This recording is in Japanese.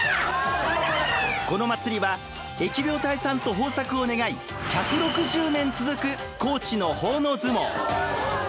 この祭りは疫病退散と豊作を願い１６０年続く高知の奉納相撲。